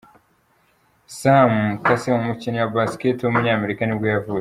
Sam Cassell, umukinnyi wa basketball w’umunyamerika nibwo yavutse.